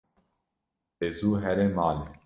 De zû here malê.